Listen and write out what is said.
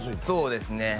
そうですね